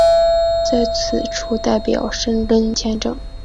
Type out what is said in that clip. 在此处代表申根签证。